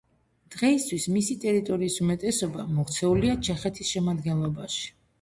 დღეისთვის მისი ტერიტორიის უმეტესობა მოქცეულია ჩეხეთის შემადგენლობაში.